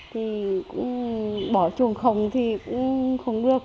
thì cũng bỏ trùng không thì cũng không được